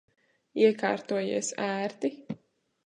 Iekārtojies ērti?